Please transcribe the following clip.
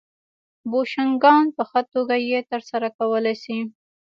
بوشونګان په ښه توګه یې ترسره کولای شي